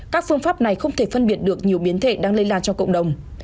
các phương pháp này không thể phân biệt được nhiều biến thể đang lây lan cho cộng đồng